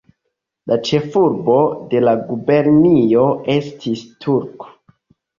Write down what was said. La ĉefurbo de la gubernio estis Turku.